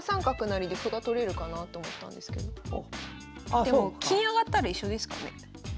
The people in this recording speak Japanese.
でも金上がったら一緒ですかね。